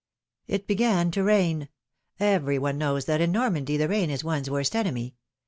T began to rain. Every one kn^ws that in Normandy the rain is one's worst enemy.